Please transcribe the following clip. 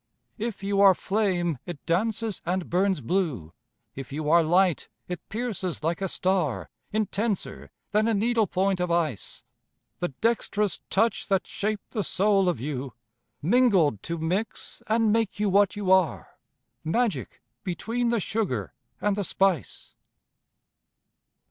If you are flame, it dances and burns blue; If you are light, it pierces like a star Intenser than a needlepoint of ice. The dexterous touch that shaped the soul of you, Mingled, to mix, and make you what you are, Magic between the sugar and the spice.